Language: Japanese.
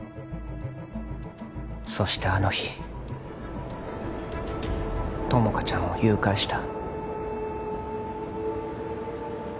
そしてあの日友果ちゃんを誘拐した